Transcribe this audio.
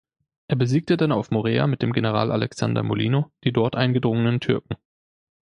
Er besiegte dann auf Morea mit dem General Alexander Molino die dort eingedrungenen Türken.